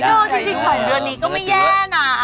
จริง๒เดือนนี้ก็ไม่แย่นะ